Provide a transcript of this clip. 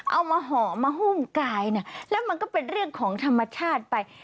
ห่อมาหุ้มกายเนี่ยแล้วมันก็เป็นเรื่องของธรรมชาติไป